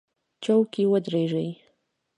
چوک کې ودرېږئ